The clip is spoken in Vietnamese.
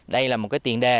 đây là một tiền đề